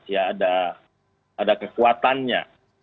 ya ada kekuatannya